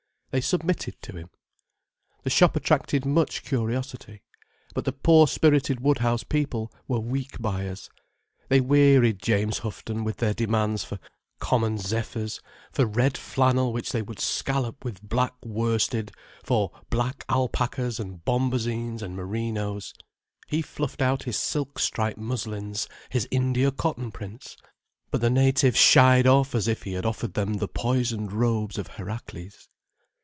They submitted to him. The shop attracted much curiosity. But the poor spirited Woodhouse people were weak buyers. They wearied James Houghton with their demand for common zephyrs, for red flannel which they would scallop with black worsted, for black alpacas and bombazines and merinos. He fluffed out his silk striped muslins, his India cotton prints. But the natives shied off as if he had offered them the poisoned robes of Herakles.